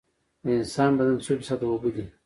د انسان بدن څو فیصده اوبه دي؟